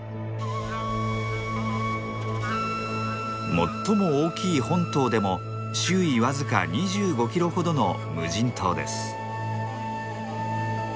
最も大きい本島でも周囲僅か２５キロほどの無人島です。